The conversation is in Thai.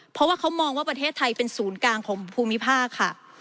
เพราะว่าเขามองว่าประเทศไทยเป็นศูนย์กลางของภูมิภาคค่ะ